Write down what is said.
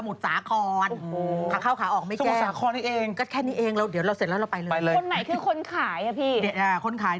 ผู้ชายที่หนุ่มเป็นคนขาย